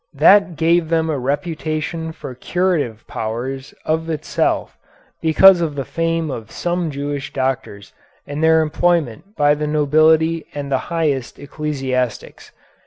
That gave them a reputation for curative powers of itself because of the fame of some Jewish doctors and their employment by the nobility and the highest ecclesiastics.